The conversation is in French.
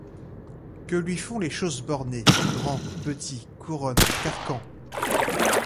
Que lui font les choses bornées, Grands, petits, couronnes, carcans?